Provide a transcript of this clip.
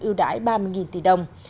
ưu đãi ba mươi tỷ đồng